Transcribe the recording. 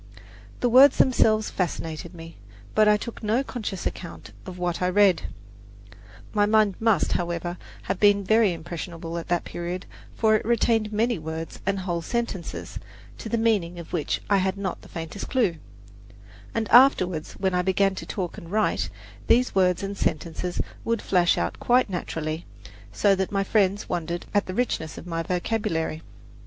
The words themselves fascinated me; but I took no conscious account of what I read. My mind must, however, have been very impressionable at that period, for it retained many words and whole sentences, to the meaning of which I had not the faintest clue; and afterward, when I began to talk and write, these words and sentences would flash out quite naturally, so that my friends wondered at the richness of my vocabulary.